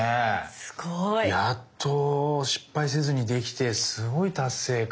すごい。やっと失敗せずにできてすごい達成感。